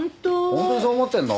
本当にそう思ってんの？